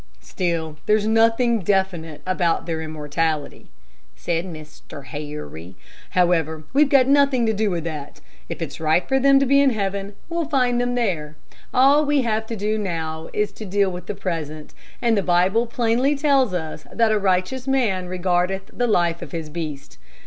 "Still, there's nothing definite about their immortality," said Mr. Harry. "However, we've got nothing to do with that. If it's right for them to be in heaven, we'll find them there. All we have to do now is to deal with the present, and the Bible plainly tells us that 'a righteous man regardeth the life of his beast.'"